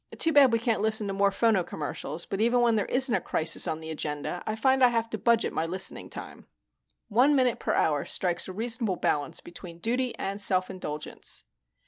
"Too bad we can't listen to more phono commercials, but even when there isn't a crisis on the agenda, I find I have to budget my listening time. One minute per hour strikes a reasonable balance between duty and self indulgence."